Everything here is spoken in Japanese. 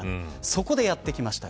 そこでやってきました